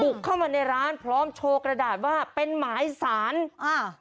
เข้ามาในร้านพร้อมโชว์กระดาษว่าเป็นหมายสารอ่า